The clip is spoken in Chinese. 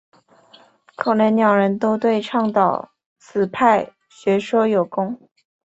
可能两人都对倡导此派学说有功。